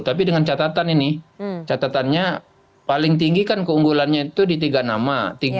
tapi dengan catatan ini catatannya paling tinggi kan keunggulannya itu di tiga nama